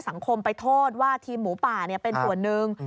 สังคมไปโทษว่าทีมหมูป่าเป็นส่วนหนึ่ง